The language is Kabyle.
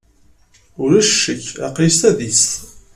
Ulac ccekk aql-i s tadist.